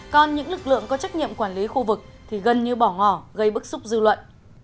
còn những lực lượng có trách nhiệm quản lý khu vực thì gần như bỏ ngỏ gây bức xúc dư luận